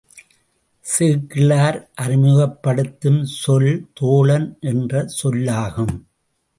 சேக்கிழார் அறிமுகப்படுத்தும் சொல் தோழன் என்ற சொல்லாகும்.